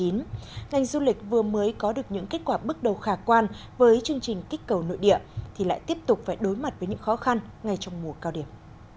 ngành du lịch vừa mới có được những kết quả bước đầu khả quan với chương trình kích cầu nội địa thì lại tiếp tục phải đối mặt với những khó khăn ngay trong mùa cao điểm